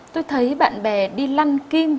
tôi thấy bạn bè đi lăn kim